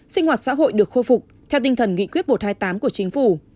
sinh hoạt xã hội được khôi phục theo tinh thần nghị quyết một trăm hai mươi tám của chính phủ